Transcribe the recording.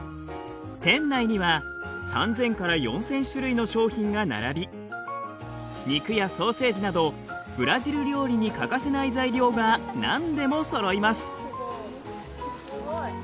店内には３，０００４，０００種類の商品が並び肉やソーセージなどブラジル料理に欠かせない材料が何でもそろいます。